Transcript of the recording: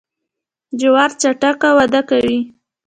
جوار چټک وده کوي.